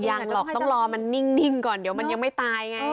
ยังหรอกต้องรอมันนิ่งก่อนเดี๋ยวมันยังไม่ตายไง